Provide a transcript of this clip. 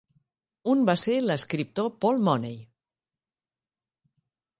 Un va ser l'escriptor Paul Mooney.